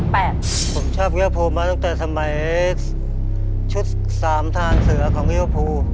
ผมชอบลิเวอร์ภูมาตั้งแต่สมัยชุดสามทางเสือของลิเวอร์พูล